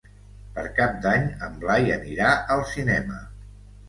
Per Cap d'Any en Blai anirà al cinema.